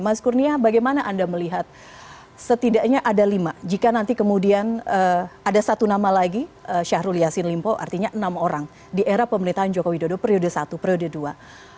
mas kurnia bagaimana anda melihat setidaknya ada lima jika nanti kemudian ada satu nama lagi syahrul yassin limpo artinya enam orang di era pemerintahan joko widodo periode satu periode dua